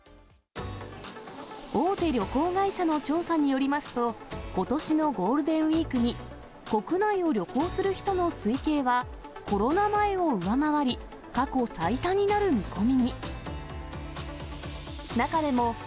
大手旅行会社の調査によりますと、ことしのゴールデンウィークに、国内を旅行する人の推計はコロナ前を上回り、過去最多になる見込みに。